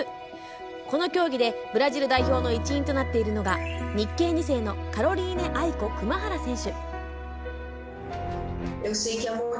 この競技でブラジル代表の一員となっているのが日系２世のカロリーネ・アイコ・クマハラ選手。